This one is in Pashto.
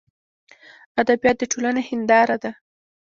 ادبیات دټولني هنداره ده.